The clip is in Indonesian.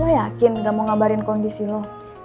lo yakin gak mau ngabarin kondisi lo